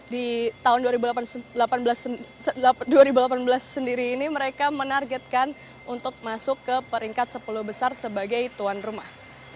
di tahun dua ribu delapan belas sendiri ini mereka menargetkan untuk masuk ke peringkat sepuluh besar sebagai tuan rumah